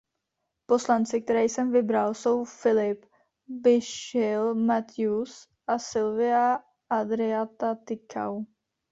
Poslanci, které jsem vybral, jsou Philip Bushill-Matthews a Silvia-Adriana Ţicău.